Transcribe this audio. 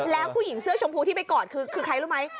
แล้วผู้หญิงเสื้อชมพูที่ไปกอดคือใครรู้ไหม